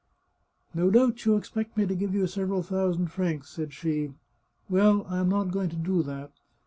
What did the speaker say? " No doubt you expect me to give you several thousand francs," said she. " Well, I am not going to do that.